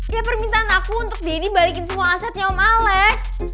ya permintaan aku untuk deddy balikin semua asetnya om alex